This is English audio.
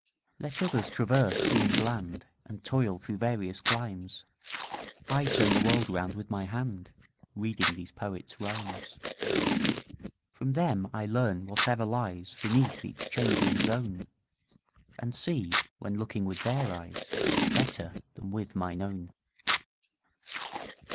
Let others traverse sea and land, And toil through various climes, 30 I turn the world round with my hand Reading these poets' rhymes. From them I learn whatever lies Beneath each changing zone, And see, when looking with their eyes, 35 Better than with mine own.